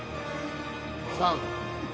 ３。